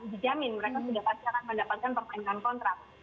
dijamin mereka sudah pasti akan mendapatkan permainan kontrak